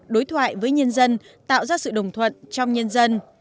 đối thoại với nhân dân tạo ra sự đồng thuận trong nhân dân